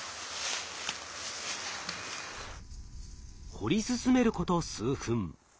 掘り進めること数分。